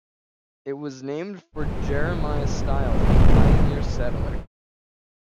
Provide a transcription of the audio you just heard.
It was named for Jeremiah Stiles, a pioneer settler.